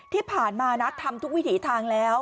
ที่ผ่านมานะทำทุกวิถีทางแล้ว